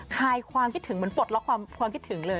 คลายความคิดถึงเหมือนปลดล็อกความคิดถึงเลย